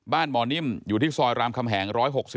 บ้านหมอนิ่มอยู่ที่ซอยรำคำแหง๑๖๖